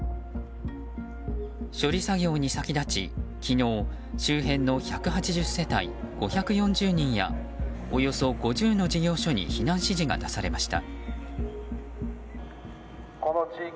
処理作業に先立ち、昨日周辺の１８０世帯５４０人やおよそ５０の事業所に避難指示が出されました。